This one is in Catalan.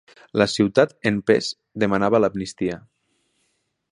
La ciutat en pes demanava l'amnistia.